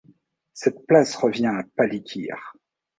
Cette place revient à Palikir.